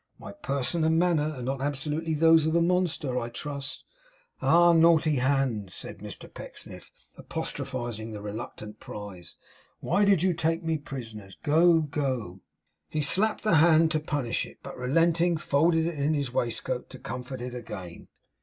My person and manner are not absolutely those of a monster, I trust. Ah! naughty Hand!' said Mr Pecksniff, apostrophizing the reluctant prize, 'why did you take me prisoner? Go, go!' He slapped the hand to punish it; but relenting, folded it in his waistcoat to comfort it again.